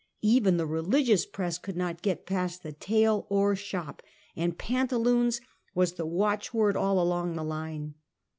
Even the religious press could not get past the tail or shop, and " pantaloons " was the watchword all along the line.